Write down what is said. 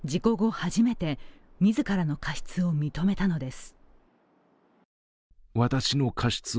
初めて、自らの過失を認めたのです。